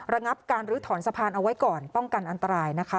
ระงับการลื้อถอนสะพานเอาไว้ก่อนป้องกันอันตรายนะคะ